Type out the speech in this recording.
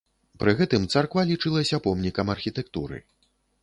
Пры гэтым царква лічылася помнікам архітэктуры.